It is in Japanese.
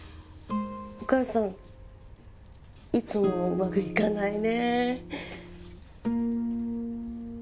お母さんいつもうまくいかないね。